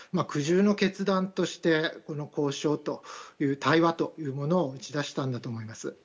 苦渋の決断としてこの交渉という、対話というのを打ち出したんだと思います。